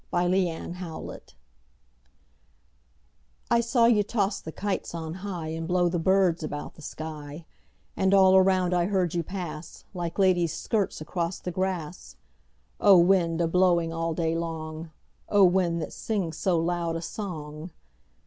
[Pg 29] THE WIND I saw you toss the kites on high And blow the birds about the sky; And all around I heard you pass, Like ladies' skirts across the grass— O wind, a blowing all day long, O wind, that sings so loud a song!